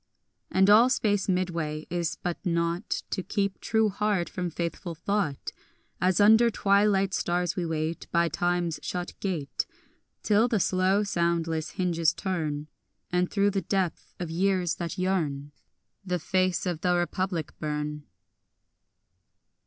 7 And all space midway is but nought To keep true heart from faithful thought, As under twilight stars we wait By Time's shut gate Till the slow soundless hinges turn, And through the depth of years that yearn The face of the Republic burn.